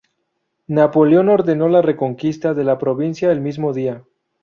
Napoleón ordenó la reconquista de la provincia el mismo día.